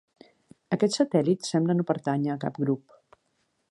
Aquest satèl·lit sembla no pertànyer a cap grup.